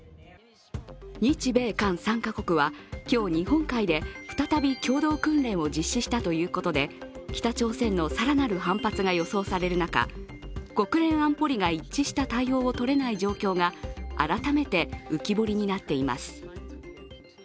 日米韓３か国は今日、日本海で再び共同訓練を実施したということで北朝鮮の更なる反発が予想される中、国連安保理が一致した対応を取れない状況が改めて浮き彫りになっています。